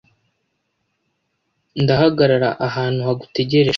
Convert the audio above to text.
Ndahagarara ahantu hagutegereje.